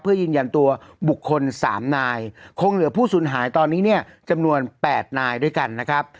เพื่อยืนยันตัวบุคคล๓นายคงเหลือผู้สูญหายตอนนี้เนี่ยจำนวน๘นายด้วยกันนะครับ